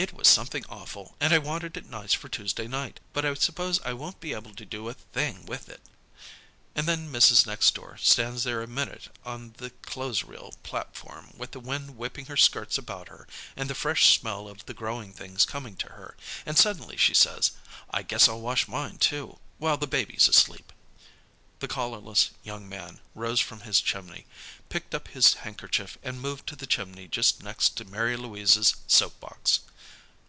'It was something awful, and I wanted it nice for Tuesday night. But I suppose I won't be able to do a thing with it.' "And then Mrs. Next Door stands there a minute on the clothes reel platform, with the wind whipping her skirts about her, and the fresh smell of the growing things coming to her. And suddenly she says: 'I guess I'll wash mine too, while the baby's asleep.'" The collarless young man rose from his chimney, picked up his handkerchief, and moved to the chimney just next to Mary Louise's soap box.